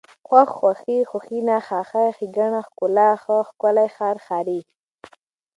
خوښ، خوښي، خوښېنه، خاښۍ، ښېګڼه، ښکلا، ښه، ښکلی، ښار، ښاري